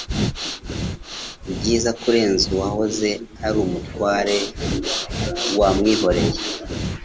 byiza kurenza uwahoze ari umutware wamwihoreye